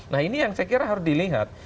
nah ini yang saya kira harus dilihat